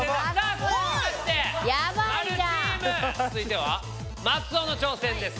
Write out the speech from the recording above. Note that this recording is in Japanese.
続いては松尾の挑戦です。